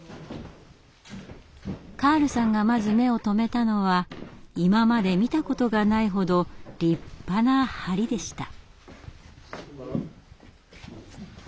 カールさんがまず目を留めたのは今まで見たことがないほど立派な梁でした。